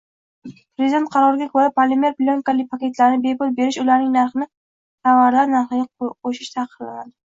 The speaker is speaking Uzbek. Prezident qaroriga koʻra, polimer plyonkali paketlarni bepul berish ularning narxini tovarlar narxiga qoʻshish taqiqlandi.